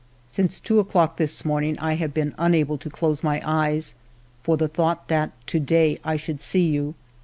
Since two o'clock this morning I have been unable to close my eyes for the thought that to day I should see you.